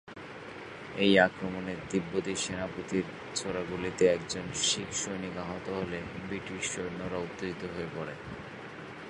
এই আক্রমণে তিব্বতী সেনাপতির ছোড়া গুলিতে একজন শিখ সৈনিক আহত হলে ব্রিটিশ সৈন্যরা উত্তেজিত হয়ে পড়ে।